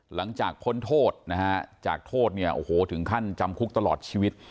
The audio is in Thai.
พ้นโทษนะฮะจากโทษเนี่ยโอ้โหถึงขั้นจำคุกตลอดชีวิต